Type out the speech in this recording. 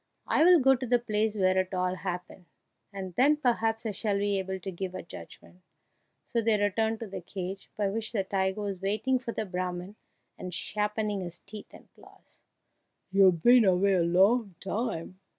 I will go to the place where it all happened, and then perhaps I shall be able to give a judgment." So they returned to the cage, by which the tiger was waiting for the Brahman, and sharpening his teeth and claws. "You've been away a long time!"